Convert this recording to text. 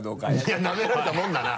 いやなめられたもんだな。